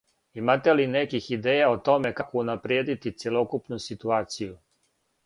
Имате ли неких идеја о томе како унаприједити цјелокупну ситуацију?